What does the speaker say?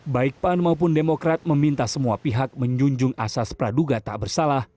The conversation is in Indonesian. baik pan maupun demokrat meminta semua pihak menjunjung asas praduga tak bersalah